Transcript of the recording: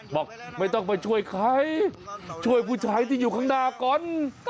บอกไม่ต้องไปช่วยใครช่วยผู้ชายที่อยู่ข้างหน้าก่อน